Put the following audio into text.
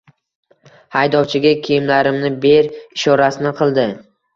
Haydovchiga kiyimlarimni ber ishorasini qildi.